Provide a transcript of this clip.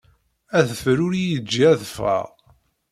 Adfel ur iyi-yejji ad ffɣeɣ.